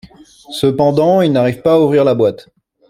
Cependant, il n’arrive pas à ouvrir la boite.